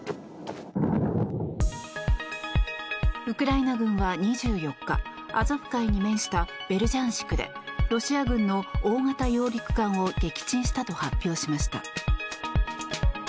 ウクライナ軍は２４日アゾフ海に面したベルジャンシクでロシア軍の大型揚陸艦を撃沈したと発表しました。